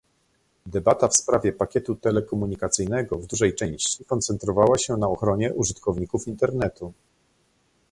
Debata w sprawie pakietu telekomunikacyjnego w dużej części koncentrowała się na ochronie użytkowników Internetu